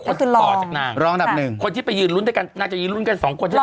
ต่อจากนางรองอันดับหนึ่งคนที่ไปยืนลุ้นด้วยกันนางจะยืนลุ้นกันสองคนใช่ไหม